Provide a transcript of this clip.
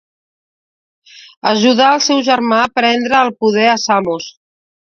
Ajudà el seu germà a prendre el poder a Samos.